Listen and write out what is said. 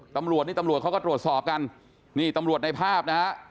ตำรวจนี่ตำรวจเขาก็ตรวจสอบกันนี่ตำรวจในภาพนะฮะ